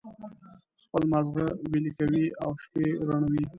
خپل مازغه ویلي کوي او شپې روڼوي.